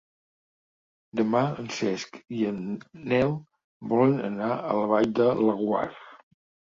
Demà en Cesc i en Nel volen anar a la Vall de Laguar.